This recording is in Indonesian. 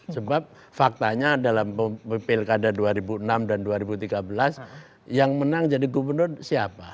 sebab faktanya dalam pilkada dua ribu enam dan dua ribu tiga belas yang menang jadi gubernur siapa